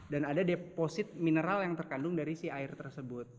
dan ada deposit mineral yang terkandung dari si air tersebut